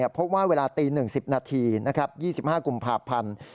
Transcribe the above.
พบว่าเวลาตีหนึ่งสิบนาทียี่สิบห้ากลุ่มภาพพรรณ